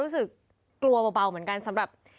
รู้สึกกลัวเบาเหมือนกันสำหรับ